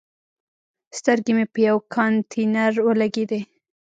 سترګې مې په یوه کانتینر ولګېدي.